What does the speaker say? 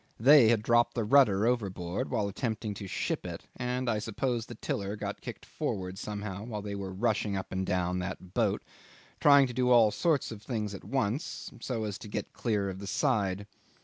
They had dropped the rudder overboard while attempting to ship it, and I suppose the tiller got kicked forward somehow while they were rushing up and down that boat trying to do all sorts of things at once so as to get clear of the side.